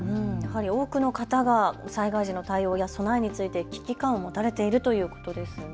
多くの方が災害時の対応や備えについて危機感を持たれているということですね。